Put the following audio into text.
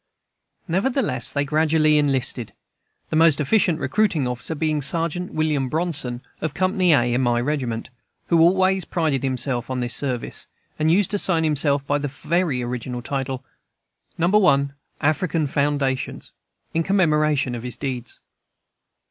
Nevertheless, they gradually enlisted, the most efficient recruiting officer being Sergeant William Bronson, of Company A, in my regiment, who always prided himself on this service, and used to sign himself by the very original title, "No. 1, African Foundations" in commemoration of his deeds.